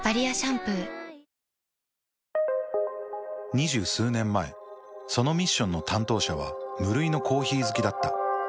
２０数年前そのミッションの担当者は無類のコーヒー好きだった。